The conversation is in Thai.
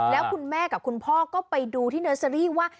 แล้วคุณแม่กับคุณพ่อก็ไปดูที่เนอร์เซอรี่ว่า